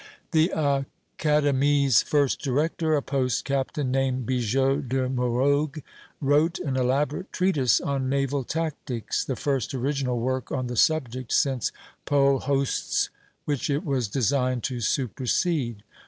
" The Académie's first director, a post captain named Bigot de Morogues, wrote an elaborate treatise on naval tactics, the first original work on the subject since Paul Hoste's, which it was designed to supersede.